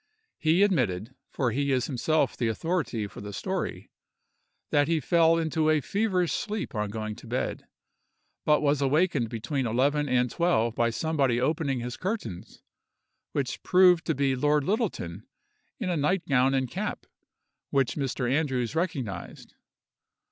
He admitted (for he is himself the authority for the story) that he fell into a feverish sleep on going to bed, but was awakened between eleven and twelve by somebody opening his curtains, which proved to be Lord Littleton, in a night gown and cap, which Mr. Andrews recognised.